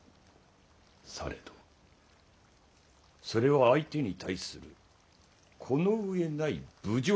されどそれは相手に対するこの上ない侮辱である。